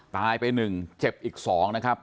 ตายไปหนึ่งเจ็บอีกสองนะครับ